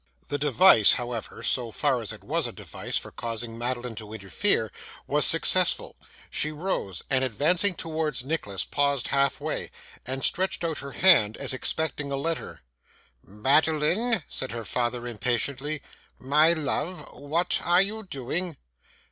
The device, however, so far as it was a device for causing Madeline to interfere, was successful. She rose, and advancing towards Nicholas paused half way, and stretched out her hand as expecting a letter. 'Madeline,' said her father impatiently, 'my love, what are you doing?